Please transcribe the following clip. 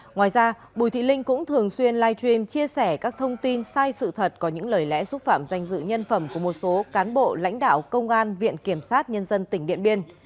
ngoài ra bùi thị linh cũng thường xuyên live stream chia sẻ các thông tin sai sự thật có những lời lẽ xúc phạm danh dự nhân phẩm của một số cán bộ lãnh đạo công an viện kiểm sát nhân dân tỉnh điện biên